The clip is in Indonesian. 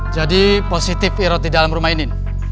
jadi positif irot di dalam rumah ini